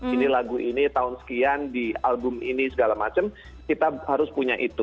ini lagu ini tahun sekian di album ini segala macam kita harus punya itu